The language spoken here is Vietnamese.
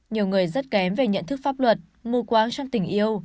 nhiều người rất kém về nhận thức pháp luật mù quáng trong tình yêu